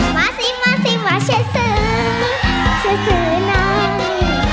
มาซิมาซิมาเช่ซึมค่ะชื่อนะ